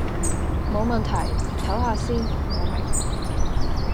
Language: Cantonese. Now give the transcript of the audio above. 無問題，抖下先，我明